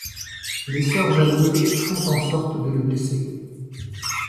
Les sœurs jalouses font en sorte de le blesser.